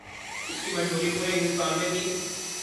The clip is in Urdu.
اس کی مشہوری پورے ہندوستان میں تھی۔